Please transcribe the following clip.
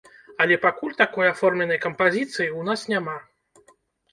Але пакуль такой аформленай кампазіцыі ў нас няма.